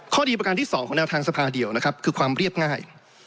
ดีประการที่๒ของแนวทางสภาเดียวนะครับคือความเรียบง่าย